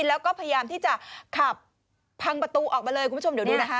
แล้วก็พยายามที่จะขับพังประตูออกมาเลยคุณผู้ชมเดี๋ยวดูนะคะ